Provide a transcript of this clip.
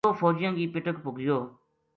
یوہ فوجیاں کی پٹک پو گیو